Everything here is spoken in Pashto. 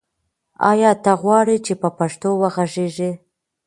آیا ته غواړې چې په پښتو وغږېږې؟